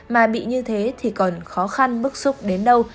mà bị như thế thì còn khó khăn bức xúc đến đâu